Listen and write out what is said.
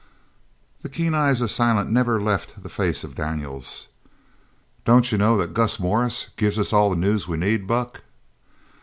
The keen eyes of Silent never left the face of Daniels. "Don't you know that Gus Morris gives us all the news we need, Buck?"